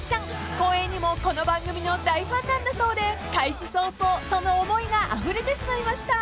［光栄にもこの番組の大ファンなんだそうで開始早々その思いがあふれてしまいました］